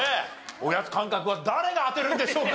おやつ感覚は誰が当てるんでしょうか？